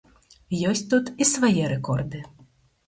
Ёсць тут і свае рэкорды.